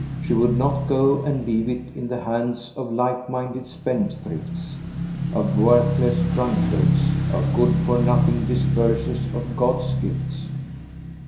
She would not go and leave it in the hands of light minded spendthrifts, of worthless drunkards, of good for nothing dispersers of God's gifts.